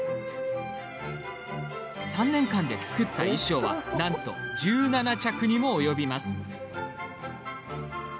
３年間で作った衣装はなんと１７着にも及びます。